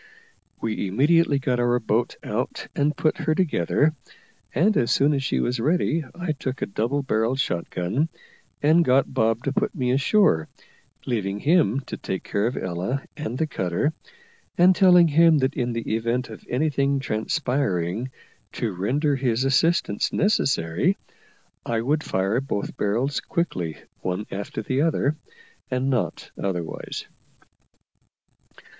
We immediately got our boat out and put her together; and, as soon as she was ready, I took a double barrelled shot gun, and got Bob to put me ashore, leaving him to take care of Ella and the cutter, and telling him that in the event of anything transpiring to render his assistance necessary I would fire both barrels quickly one after the other, and not otherwise.